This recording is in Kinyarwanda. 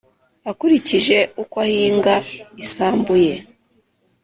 akurikije uko ahinga isambu ye,